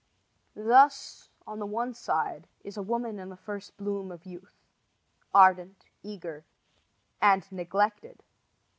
Thus on the one side is a woman in the first bloom of youth, ardent, eager and neglected.